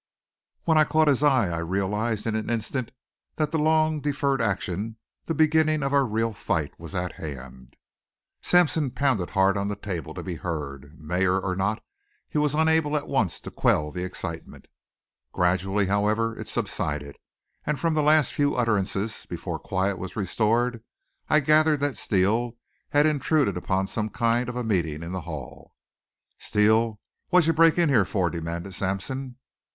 When I caught his eye I realized in an instant that the long deferred action, the beginning of our real fight was at hand. Sampson pounded hard on the table to be heard. Mayor or not, he was unable at once to quell the excitement. Gradually, however, it subsided and from the last few utterances before quiet was restored I gathered that Steele had intruded upon some kind of a meeting in the hall. "Steele, what'd you break in here for?" demanded Sampson.